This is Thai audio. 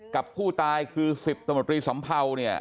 กับผู้ตายคือ๑๐ตำรวจรีสำเภาเนี่ย